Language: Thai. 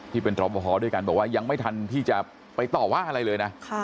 ที่เป็นรอปภด้วยกันบอกว่ายังไม่ทันที่จะไปต่อว่าอะไรเลยนะ